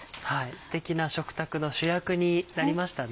ステキな食卓の主役になりましたね。